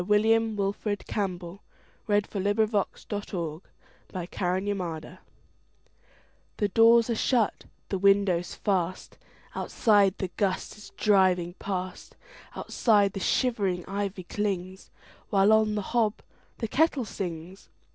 William Wilfred Campbell 1861–1918 A Canadian Folk Song CampbllWW THE DOORS are shut, the windows fast, Outside the gust is driving past, Outside the shivering ivy clings, While on the hob the kettle sings.